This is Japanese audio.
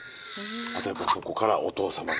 あとやっぱそこからお父様が。